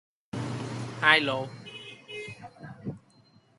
The other founding members included John Cohen and Tom Paley.